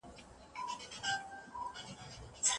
دا غوښتنه ډېرو خلکو ته حیرانوونکې وه.